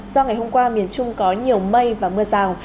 do ngày hôm qua miền trung có nhiều mây và mưa rào